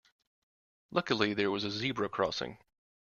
Luckily there was a zebra crossing.